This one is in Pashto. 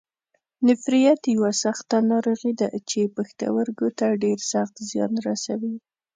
نفریت یوه سخته ناروغي ده چې پښتورګو ته ډېر سخت زیان رسوي.